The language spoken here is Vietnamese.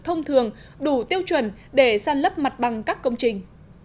thông thường đủ tiêu chuẩn để săn lấp mặt bằng các công trình